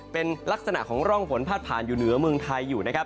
เป็นลักษณะของร่องฝนพาดผ่านอยู่เหนือเมืองไทยอยู่นะครับ